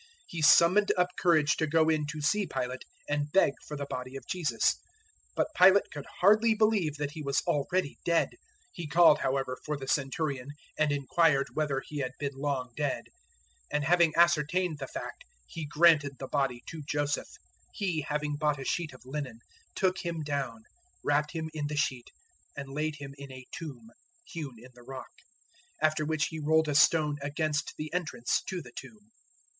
He summoned up courage to go in to see Pilate and beg for the body of Jesus. 015:044 But Pilate could hardly believe that He was already dead. He called, however, for the Centurion and inquired whether He had been long dead; 015:045 and having ascertained the fact he granted the body to Joseph. 015:046 He, having bought a sheet of linen, took Him down, wrapped Him in the sheet and laid Him in a tomb hewn in the rock; after which he rolled a stone against the entrance to the tomb.